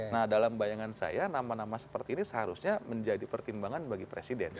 nah dalam bayangan saya nama nama seperti ini seharusnya menjadi pertimbangan bagi presiden